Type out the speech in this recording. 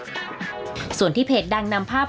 เราก็จะมีความรู้สึกเรื่องของความสูญเสียอยู่บ้างนะครับ